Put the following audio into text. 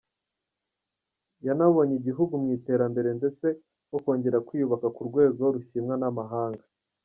Yanayoboye igihugu mw’iterambere ndetse ko kongera kwiyubaka k’urwego rushimwa n’amahanga.